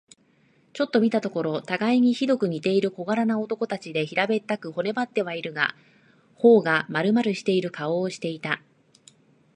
ちょっと見たところ、たがいにひどく似ている小柄な男たちで、平べったく、骨ばってはいるが、頬がまるまるしている顔をしていた。